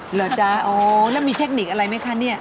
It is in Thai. เหรอจ๊ะอ๋อแล้วมีเทคนิคอะไรไหมคะเนี่ย